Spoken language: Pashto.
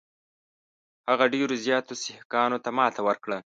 هغه ډېرو زیاتو سیکهانو ته ماته ورکړه.